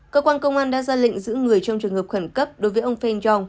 cơ quan công an đã ra lệnh giữ người trong trường hợp khẩn cấp đối với ông feng yong